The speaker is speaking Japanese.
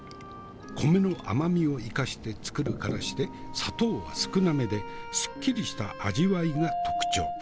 米の甘みを生かして作るからして砂糖は少なめですっきりした味わいが特徴。